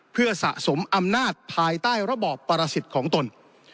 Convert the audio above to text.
เพื่อสะสมอำนาจภายใต้ระบอบประสิทธิ์ของตน